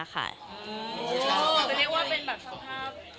คือเรียกว่าเป็นแบบสองสไตล์